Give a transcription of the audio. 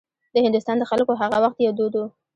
د هندوستان د خلکو هغه وخت یو دود و.